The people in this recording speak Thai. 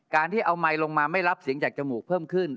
ที่เอาไมค์ลงมาไม่รับเสียงจากจมูกเพิ่มขึ้น